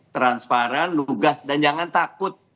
transparan lugas dan jangan takut